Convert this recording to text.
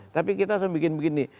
tapi kita harus bikin begini